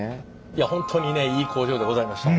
いや本当にねいい工場でございました